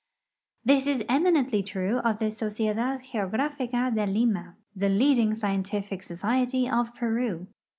This is eminently true of the " Sociedad Geografica de Lima," the leading scientific society of Peru.